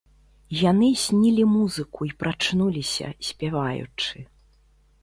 Яны снілі музыку і прачнуліся, спяваючы.